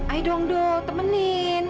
aduh doh temenin